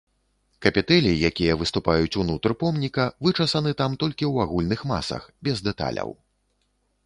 Капітэлі, якія выступаюць ўнутр помніка, вычасаны там толькі ў агульных масах, без дэталяў.